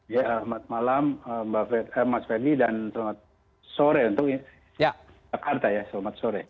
ya selamat malam mbak fedy dan selamat sore untuk jakarta